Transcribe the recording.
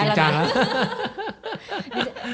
โหมดจริงจัง